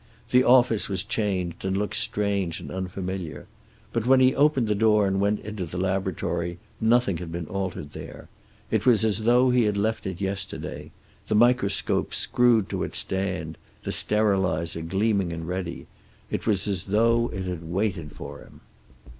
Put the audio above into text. The office was changed and looked strange and unfamiliar. But when he opened the door and went into the laboratory nothing had been altered there. It was as though he had left it yesterday; the microscope screwed to its stand, the sterilizer gleaming and ready. It was as though it had waited for him.